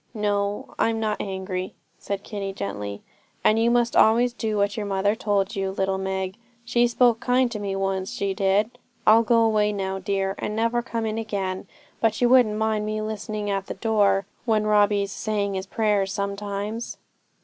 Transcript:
'No, I'm not angry,' said Kitty gently, 'and you must always do what your mother told you, little Meg. She spoke kind to me once, she did. So I'll go away now, dear, and never come in again: but you wouldn't mind me listening at the door when Robbie's saying his prayers sometimes?'